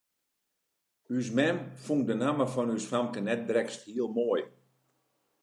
Us mem fûn de namme fan ús famke net drekst hiel moai.